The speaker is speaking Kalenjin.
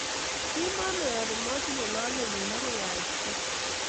Kimanai ale matinye lolenyu akoi ait gaa